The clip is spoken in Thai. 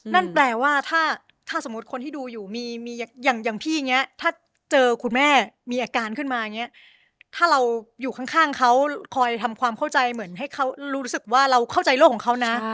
นั่นแปลว่าถ้าสมมุติคนที่ดูอยู่มีอย่างพี่อย่างนี้ถ้าเจอคุณแม่มีอาการขึ้นมาอย่างนี้ถ้าเราอยู่ข้างเขาคอยทำความเข้าใจเหมือนให้เขารู้สึกว่าเราเข้าใจโลกของเขานะ